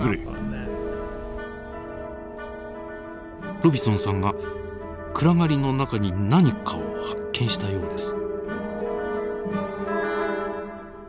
ロビソンさんが暗がりの中に何かを発見したようです。